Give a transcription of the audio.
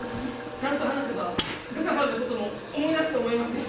ちゃんと話せば瑠華さんのことも思い出すと思いますよ。